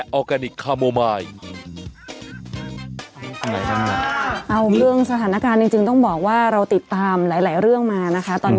เอาเรื่องสถานการณ์จริงต้องบอกว่าเราติดตามหลายเรื่องมานะคะตอนนี้